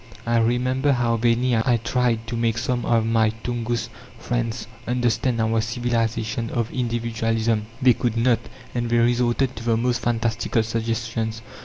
I remember how vainly I tried to make some of my Tungus friends understand our civilization of individualism: they could not, and they resorted to the most fantastical suggestions.